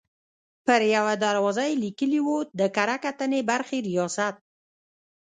پر یوه دروازه یې لیکلي وو: د کره کتنې برخې ریاست.